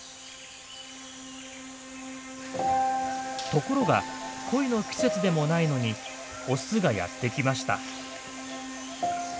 ところが恋の季節でもないのにオスがやって来ました。